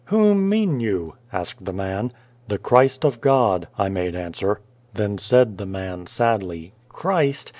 " Whom mean you ?" asked the man. "The Christ of God," I made answer. Then said the man sadly, "Christ!